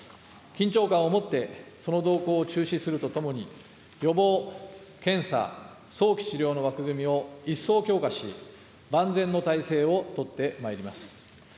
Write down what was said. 緊張感を持って、その動向を注視するとともに、予防、検査、早期治療の枠組みを一層強化し、万全の体制を取ってまいります。